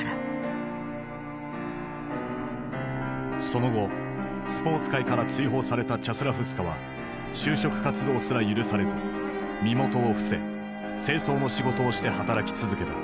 その後スポーツ界から追放されたチャスラフスカは就職活動すら許されず身元を伏せ清掃の仕事をして働き続けた。